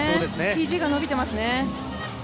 肘が伸びてますね。